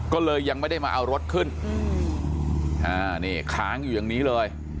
ก็เลยยังไม่ได้มาเอารถขึ้นนี่ค้างอยู่อย่างนี้เลย